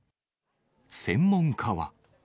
専門家は。